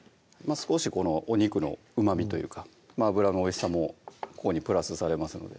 少しお肉のうまみというか脂のおいしさもここにプラスされますので